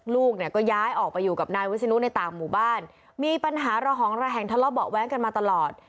ลูกเนี่ยก็ย้ายออกไปอยู่กับนายวิศนุในต่างหมู่บ้านมีปัญหาระหองระแหงทะเลาะเบาะแว้งกันมาตลอด